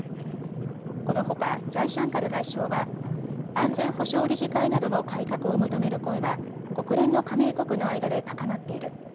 このほかジャイシャンカル外相は安全保障理事会などの改革を求める声は国連の加盟国の間で高まっている。